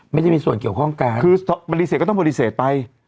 ไม่ได้มีส่วนเกี่ยวข้องกันคือปฏิเสธก็ต้องปฏิเสธไป